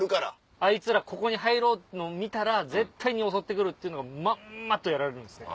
あいつらここに入るのを見たら絶対に襲って来るっていうのがまんまとやられるんですね。